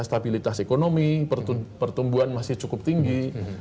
stabilitas ekonomi pertumbuhan masih cukup tinggi